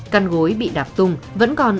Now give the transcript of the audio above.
căn gối bị đạp tung vẫn còn